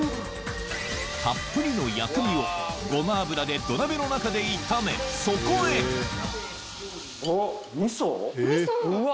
たっぷりの薬味をごま油で土鍋の中で炒めそこへおっ！わ！